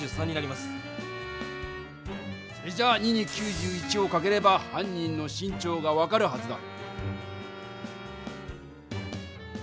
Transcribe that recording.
それじゃ２に９１をかければ犯人の身長が分かるはずだ。